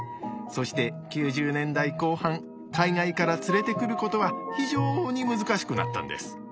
そして９０年代後半海外から連れてくることは非常に難しくなったんです。